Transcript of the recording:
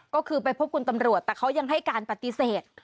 ก็คือไปพบคุณตำรวจแต่เขายังให้การปฏิเสธ